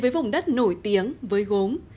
về với vùng đất nổi tiếng với gốm